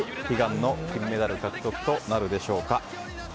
悲願の金メダル獲得となるでしょうか。